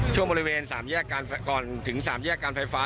ช่วงบริเวณก่อนถึงสามแยกการไฟฟ้า